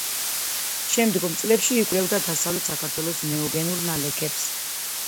შემდგომ წლებში იკვლევდა დასავლეთ საქართველოს ნეოგენურ ნალექებს.